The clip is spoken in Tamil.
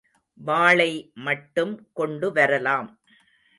வாளை மட்டும் கொண்டு வரலாம்.